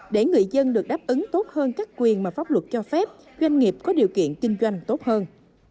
để người dân được đáp ứng tốt hơn các quyền mà pháp luật cho phép doanh nghiệp có điều kiện kinh doanh tốt hơn